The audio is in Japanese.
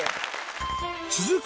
続く